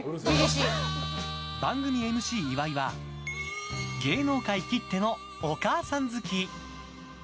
番組ＭＣ岩井は芸能界きってのお母さん好き。